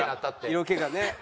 色気がね。